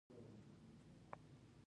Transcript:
🐄 غوا